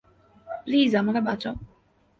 Please আমাকে বাঁচাও!